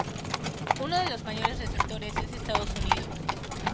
Uno de los mayores receptores es Estados Unidos.